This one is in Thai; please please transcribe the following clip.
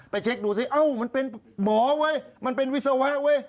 เช็คดูสิเอ้ามันเป็นหมอเว้ยมันเป็นวิศวะเว้ย